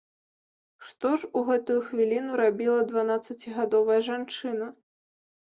Што ж у гэтую хвіліну рабіла дванаццацігадовая жанчына?